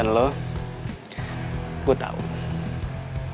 uang itu bisa dikumpulin sama ada ada